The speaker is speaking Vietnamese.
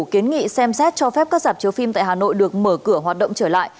kiến nghị xem xét cho phép các giảm chiếu phim tại hà nội được mở cửa hoạt động trở lại